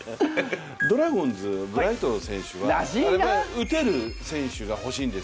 ドラゴンズ、ブライト選手は打てる選手が欲しいんです。